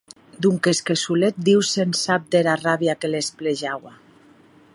Donques que solet Diu se’n sap dera ràbia que les pelejaua.